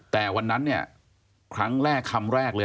แต่วันนั้นเนี่ยครั้งแรกคำแรกเลย